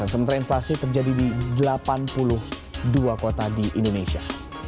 sementara inflasi terjadi di delapan puluh dua kota di indonesia